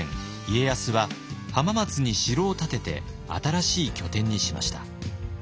家康は浜松に城を建てて新しい拠点にしました。